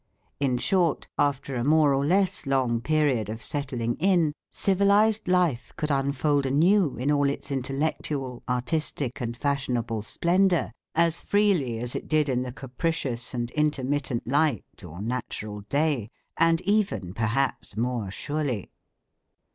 In short, after a more or less long period of settling in, civilised life could unfold anew in all its intellectual, artistic, and fashionable splendour, as freely as it did in the capricious and intermittent light or natural day, and even perhaps more surely.